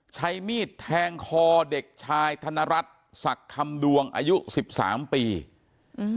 ใช้มีดแทงคอเด็กชายธนรัฐศักดิ์คำดวงอายุสิบสามปีอืม